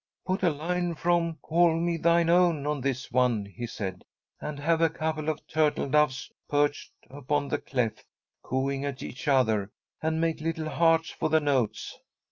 "Put a line from 'Call me thine own' on this one," he said, "and have a couple of turtle doves perched up on the clef, cooing at each other, and make little hearts for the notes."